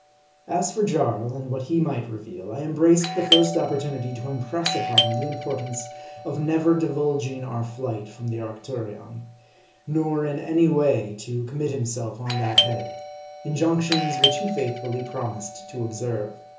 As for Jarl, and what 110 M A R D I. he might reveal, I embraced the first opportunity to impress upon him the importance of never divulging our flight from the Arcturion ; nor in any way to commit himself on that head : injunctions which he faithfully promised to observe.